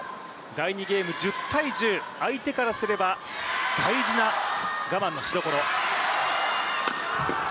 第２ゲーム１０対１０、相手からすれば大事な我慢のしどころ。